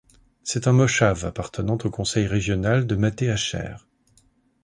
C'est un moshav appartenant au conseil régional de Mateh Asher.